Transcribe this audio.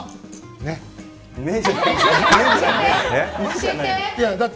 ねっ。